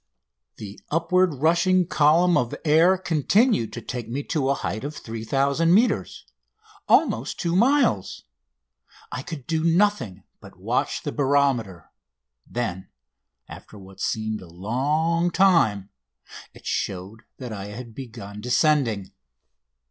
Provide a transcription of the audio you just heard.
The upward rushing column of air continued to take me to a height of 3000 metres (almost 2 miles). I could do nothing but watch the barometer. Then, after what seemed a long time, it showed that I had begun descending.